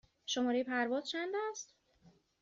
شماره پرواز چند است؟